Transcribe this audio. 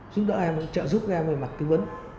giúp đỡ em giúp đỡ em về mặt tư vấn